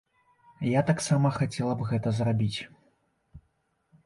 Я таксама хацела б гэта зрабіць.